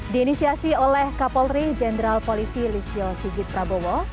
diinisiasi oleh kapolri jenderal polisi listio sigit prabowo